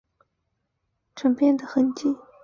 可以看出明显转变的痕迹